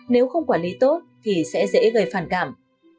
nếu không quản lý tốt thì sẽ dễ gây phản cảm